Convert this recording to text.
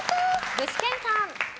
具志堅さん。